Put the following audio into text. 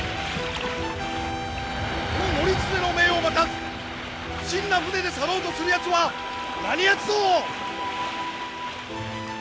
この教経の命を待たず不審な船で去ろうとするやつは何やつぞ！